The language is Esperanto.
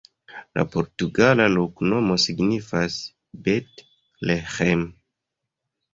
La portugala loknomo signifas: Bet-Leĥem.